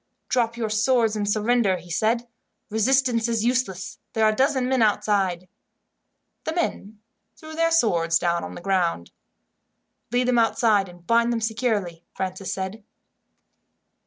"Drop your swords and surrender," he said. "Resistance is useless. There are a dozen men outside." The men threw their swords down on the ground. "Lead them outside, and bind them securely," Francis said.